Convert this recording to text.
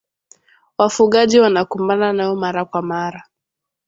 wafugaji wanakumbana nayo mara kwa mara